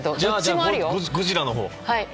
ゴジラのほう。